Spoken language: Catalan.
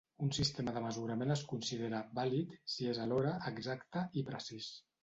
Un sistema de mesurament es considera "vàlid" si és alhora "exacte" i "precís".